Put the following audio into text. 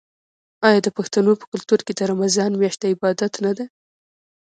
آیا د پښتنو په کلتور کې د رمضان میاشت د عبادت نه ده؟